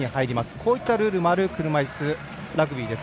こういったルールもある車いすラグビーです。